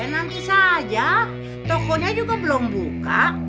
nanti saja tokonya juga belum buka